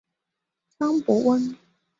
邵伯温。